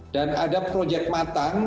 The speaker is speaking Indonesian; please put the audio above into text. dan ada proyek matang